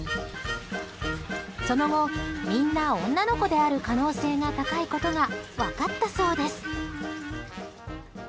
その後みんな女の子である可能性が高いことが分かったそうです。